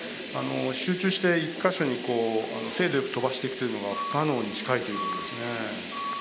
集中して１か所に精度よく飛ばしていくというのは不可能に近いということですね。